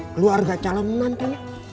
keluarga calon nanti